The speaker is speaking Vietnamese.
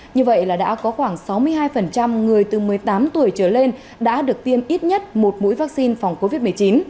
như vậy là đã có khoảng sáu mươi hai người từ một mươi tám tuổi trở lên đã được tiêm ít nhất một mũi vaccine phòng covid một mươi chín